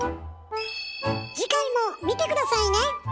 次回も見て下さいね！